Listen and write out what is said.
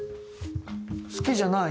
好きじゃない？